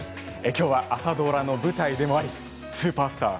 今日は朝ドラの舞台でもありスーパースター